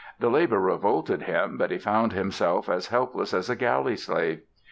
The labor revolted him but he found himself as helpless as a galley slave.